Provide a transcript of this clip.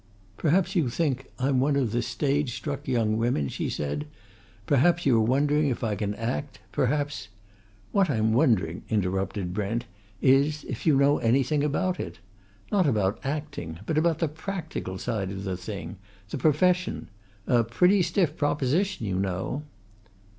"Perhaps you think I'm one of the stage struck young women?" she said. "Perhaps you're wondering if I can act? Perhaps " "What I'm wondering," interrupted Brent, "is if you know anything about it? Not about acting, but about the practical side of the thing the profession? A pretty stiff proposition, you know."